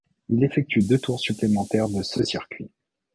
Ils effectuent deux tours supplémentaires de ce circuit.